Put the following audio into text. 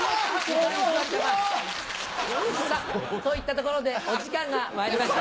さぁといったところでお時間がまいりました。